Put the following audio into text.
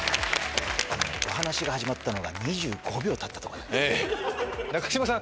お話が始まったのが２５秒たったところ中島さん